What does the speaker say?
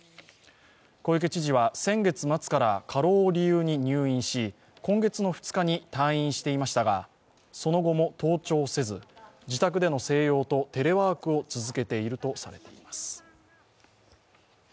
小池知事は先月末から過労を理由に入院し今月の２日に退院していましたが、その後も登庁せず、自宅での静養とテレワークを続けているとされています。